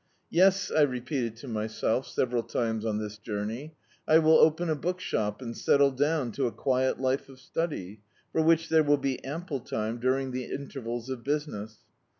"Yes," I repeated to myself, several times on diis journey. "I will (^>en a bookshop and settle down to a quiet life of study, for which there will be ample time during the intervals of business."